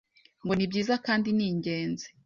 Ngo ni byiza kandi ni ingenzi